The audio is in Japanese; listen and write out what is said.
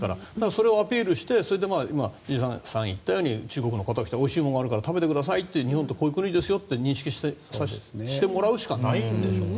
それをアピールして千々岩さんが言ったように中国の方が来て食べてくださいって日本ってこういう国ですよって認識してもらう以外ないんでしょうね。